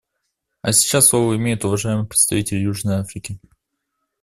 А сейчас слово имеет уважаемый представитель Южной Африки.